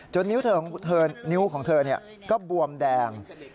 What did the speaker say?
นิ้วของเธอก็บวมแดง